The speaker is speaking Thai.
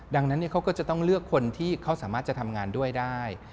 ดังนั้นเขาก็จะต้องเลือกคนที่เขาสามารถจะทำงานด้วยได้